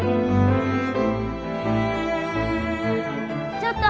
ちょっと！